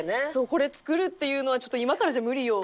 「これ作るっていうのはちょっと今からじゃ無理よ」。